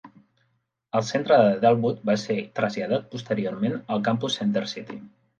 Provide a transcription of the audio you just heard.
El centre de Dellwood va ser traslladat posteriorment al campus Center City.